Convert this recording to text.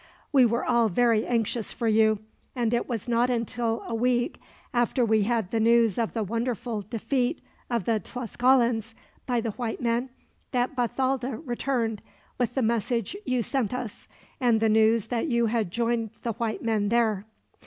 "We were all very anxious for you, and it was not until a week after we had the news of the wonderful defeat of the Tlascalans, by the white men, that Bathalda returned with the message you sent us, and the news that you had joined the white men there.